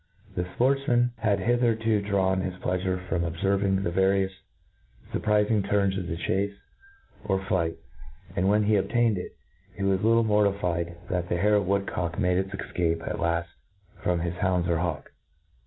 The fportfman had hitherto drawn his pleafurc from obferving the various furprir fing turns of the chace or flight ; and when he obtained it, he was little mortified that the hare or woodcock made its efcape at laft from his hounds or hawk.